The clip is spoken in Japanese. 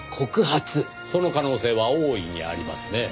その可能性は大いにありますねぇ。